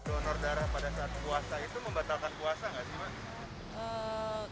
donor darah pada saat puasa itu membatalkan puasa nggak sih pak